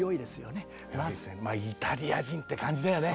まあイタリア人って感じだよね。